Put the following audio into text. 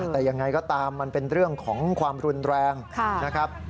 แต่ยังไงก็ตามมันเป็นเรื่องของความรุนแรงนะครับ